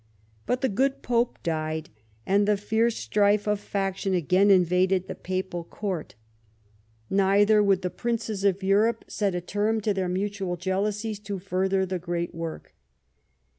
But the good pope died, and the fierce strife of faction again invaded the papal court. Neither would the Ill EDWARD AS A CRUSADER 57 princes of Europe set a term to their mutual jealousies to further the great work.